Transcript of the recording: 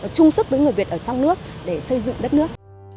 chung sức với người việt ở trong nước để xây dựng đất nước